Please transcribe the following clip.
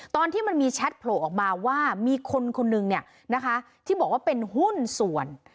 ตอนที่มันมีแชทโผล่ออกมาว่ามีคนคนนึงที่บอกว่าเป็นหุ้นส่วน